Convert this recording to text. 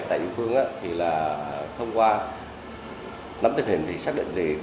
tại địa phương thì là thông qua nắm tình hình thì xác định thì